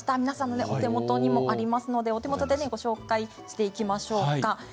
皆さんのお手元にもありますのでお手元でご紹介していきましょうか。